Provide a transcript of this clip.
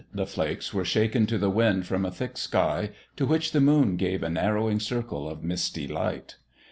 The flakes were shaken to the wind from a thick sky to which the moon gave a narrowing circle of misty light.